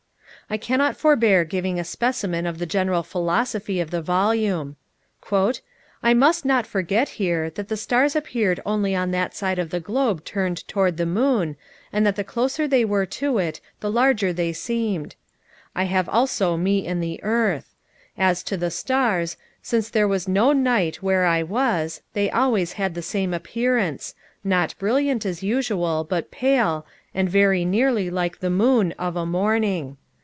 I cannot forbear giving a specimen of the general philosophy of the volume. "I must not forget here, that the stars appeared only on that side of the globe turned toward the moon, and that the closer they were to it the larger they seemed. I have also me and the earth. As to the stars, _since there was no night where I was, they always had the same appearance; not brilliant, as usual, but pale, and very nearly like the moon of a morning.